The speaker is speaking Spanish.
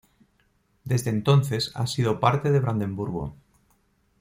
Desde entonces ha sido parte de Brandemburgo.